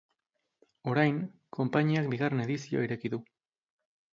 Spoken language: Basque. Orain, konpainiak bigarren edizioa ireki du.